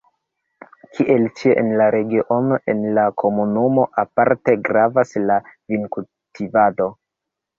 Kiel ĉie en la regiono, en la komunumo aparte gravas la vinkultivado.